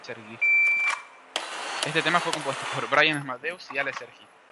El tema fue compuesto por Bryan Amadeus y Ale Sergi.